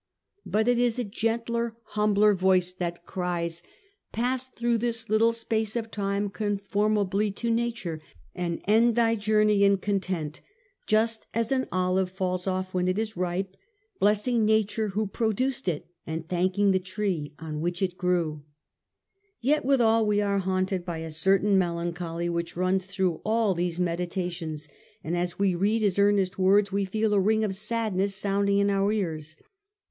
But it is a gentler, humbler voice that cries, ' Pass through this little space of time conformably to nature, \nd end thy journey in content, just as an olive falls off when it is ripe, blessing Nature who produced it, and thanking the tree on which it grew ' Yet withal we are haunted by a certain melan choly which runs through all these Meditations, and as which does earnest words we feel a ring not however of sadness sounding in our ears.